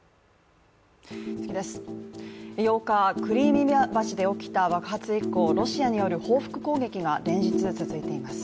８日、クリミア橋で起きた爆発以降、ロシアによる報復攻撃が連日続いています。